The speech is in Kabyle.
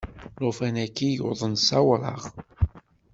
Llufan-agi yuḍen sawraɣ.